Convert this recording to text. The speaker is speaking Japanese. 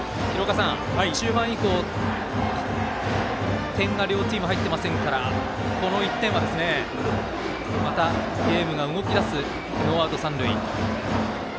中盤以降、点が両チーム入っていませんからこの１点はまたゲームが動き出すノーアウト、三塁。